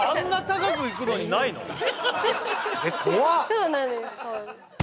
そうなんです